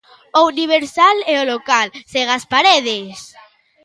O universal é o local sen as paredes.